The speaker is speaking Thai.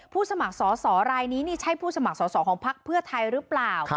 สมัครสอสอรายนี้นี่ใช่ผู้สมัครสอสอของพักเพื่อไทยหรือเปล่า